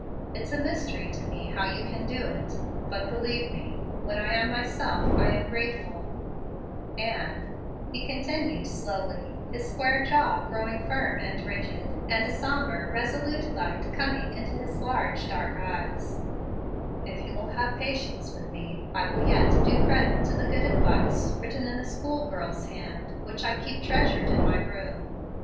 It's a mystery to me how you can do it. But believe me, when I am myself, I am grateful; and," he continued slowly, his square jaw growing firm and rigid, and a sombre, resolute light coming into his large dark eyes, "if you will have patience with me, I will yet do credit to the good advice, written in a school girl's hand, which I keep treasured in my room.